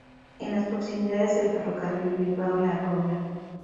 En las proximidades el ferrocarril Bilbao La Robla.